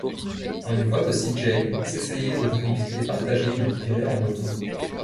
On y voit aussi Jain s'essayer au drift et partager une virée en moto.